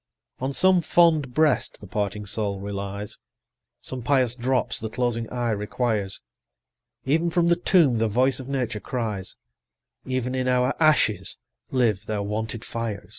On some fond breast the parting soul relies, Some pious drops the closing eye requires; 90 Even from the tomb the voice of Nature cries, Even in our ashes live their wonted fires.